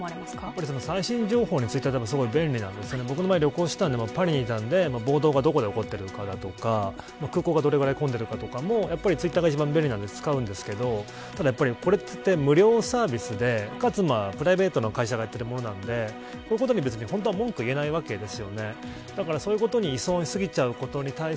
最新情報を集めるときにツイッターは便利なんですけど僕はパリにいたので、暴動がどこで起こってるかとか空港がどれぐらい飛んでるかとかもツイッターが便利なんですけどただこれって無料サービスでかつプライベートな会社がやっているものなのでこういうことに本当は文句を言えないわけです。